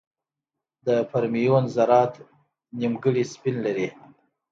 د فرمیون ذرات نیمګړي سپین لري.